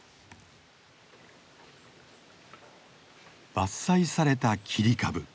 伐採された切り株。